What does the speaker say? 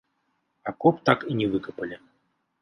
Акоп так і не выкапалі.